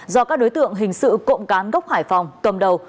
do các đối tượng hình sự cộng cán gốc hải phòng cầm đầu